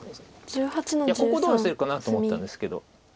いやここどうヨセるかなって思ったんですけど。